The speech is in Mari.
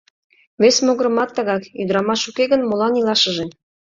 Вес могырымат тыгак: ӱдырамаш уке гын, молан илашыже?